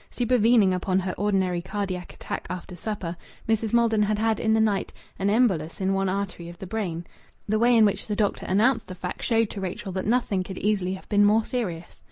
Supervening upon her ordinary cardiac attack after supper, Mrs. Maldon had had, in the night, an embolus in one artery of the brain. The way in which the doctor announced the fact showed to Rachel that nothing could easily have been more serious.